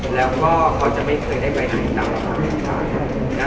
แล้วก็เขาจะไม่เคยได้ไปไหนจังครับครับ